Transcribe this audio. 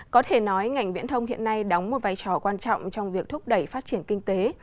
có thể nói ngành viễn thông hiện nay đóng một vai trò quan trọng trong việc thúc đẩy phát triển kinh tế